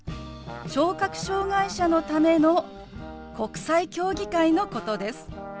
・聴覚障害者のための国際競技会のことです。